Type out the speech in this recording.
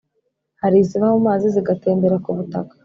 , hari iziva mu mazi zigatembera ku butaka,